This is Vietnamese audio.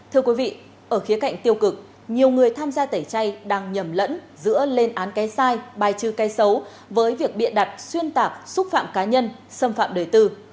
thưa quý vị ở khía cạnh tiêu cực nhiều người tham gia tẩy chay đang nhầm lẫn giữa lên án cái sai bài trừ cây xấu với việc bịa đặt xuyên tạc xúc phạm cá nhân xâm phạm đời tư